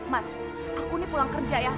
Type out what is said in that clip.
mas aku ini pulang kerja ya